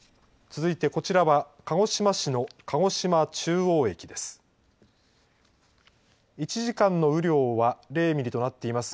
続いてこちらは鹿児島市の鹿児島中央駅です。